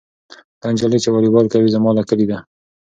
دا نجلۍ چې والیبال کوي زما له کلي ده.